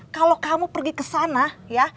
kalau kamu pergi ke sana ya